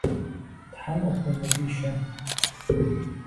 Тхьэм къыпхузэпищэ.